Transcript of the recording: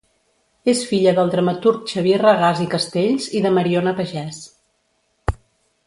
És filla del dramaturg Xavier Regàs i Castells i de Mariona Pagès.